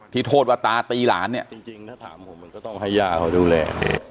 โทษว่าตาตีหลานเนี่ยจริงถ้าถามผมมันก็ต้องให้ย่าเขาดูแล